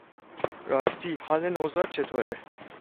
راستی حال نوزاد چطوره؟